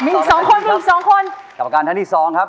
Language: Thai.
ท่านประการท้านที่๒ครับ